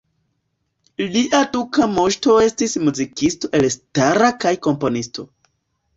Lia duka moŝto estis muzikisto elstara kaj komponisto.